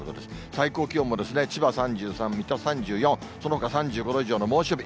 最高気温も千葉３３、水戸３４、そのほか３５度以上の猛暑日。